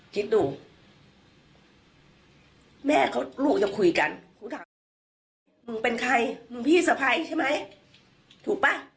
คิดดูแม่ลูกจะคุยกันถามมึงเป็นใครพี่สไฟใช่ไหมถูกป่ะ